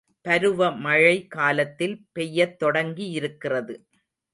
பருவ மழை காலத்தில் பெய்யத் தொடங்கியிருக்கிறது.